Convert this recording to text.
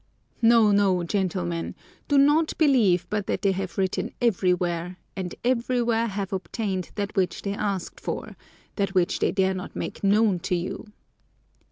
No, no, gentlemen, do not believe but that they have written everywhere, and everywhere have obtained that which they asked for, that which they dare not make known to you.